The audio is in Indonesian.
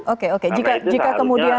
oke oke jika kemudian